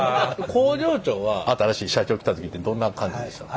工場長は新しい社長来た時ってどんな感じでした？